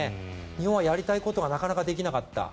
日本は、やりたいことがなかなかできなかった。